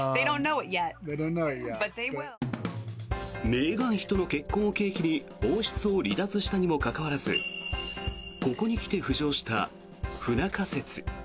メーガン妃との結婚を契機に王室を離脱したにもかかわらずここに来て浮上した不仲説。